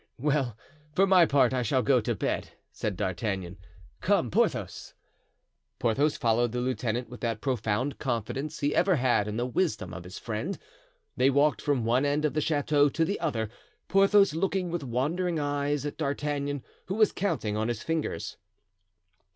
"Well, for my part, I shall go to bed," said D'Artagnan; "come, Porthos." Porthos followed the lieutenant with that profound confidence he ever had in the wisdom of his friend. They walked from one end of the chateau to the other, Porthos looking with wondering eyes at D'Artagnan, who was counting on his fingers.